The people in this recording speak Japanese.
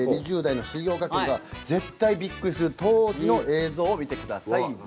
２０代の重岡君が絶対びっくりする当時の映像を見てください。